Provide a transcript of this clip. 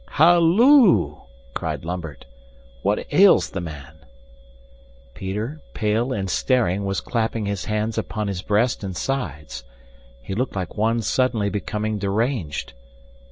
"Halloo!" cried Lambert. "What ails the man?" Peter, pale and staring, was clapping his hands upon his breast and sides. He looked like one suddenly becoming deranged.